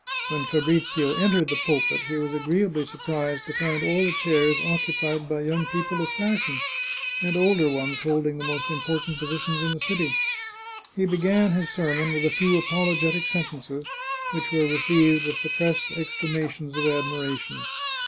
When Fa brizio entered the pulpit he was agreeably surprised to find all the chairs occupied by young people of fashion, and older ones holding the most important positions in the city. He began his sermon with a few apologetic sentences, which were received with suppressed exclamations of admiration.